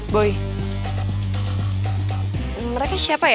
boy mereka siapa ya